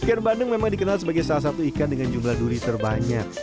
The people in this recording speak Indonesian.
ikan bandeng memang dikenal sebagai salah satu ikan dengan jumlah duri terbanyak